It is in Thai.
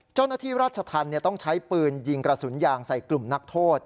เจ้าหน้าที่ราชธรรมต้องใช้ปืนยิงกระสุนยางใส่กลุ่มนักโทษ